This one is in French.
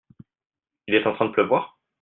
Il est en train de pleuvoir ?